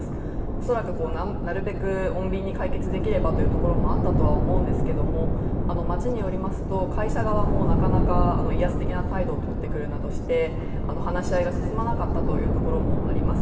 恐らくなるべく穏便に解決できればというところもあったとは思うんですけど町によりますと会社側もなかなか威圧的な態度をとってくるということもありまして話し合いが進まなかったというところもあります。